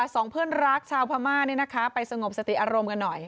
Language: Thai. สองเพื่อนรักชาวพม่าเนี่ยนะคะไปสงบสติอารมณ์กันหน่อย